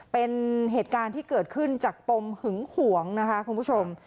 เป็นเหตุการณ์ที่เกิดขึ้นจากปมหึงหวงนะคะคุณผู้ชม